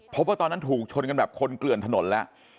พบว่าตอนนั้นถูกชนกันแบบคนเกลื่อนถนนแล้ว